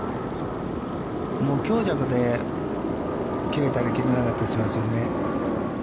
強弱で切れたり切れなかったりしますよね。